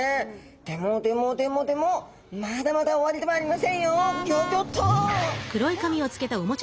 でもでもでもでもまだまだ終わりではありませんよ。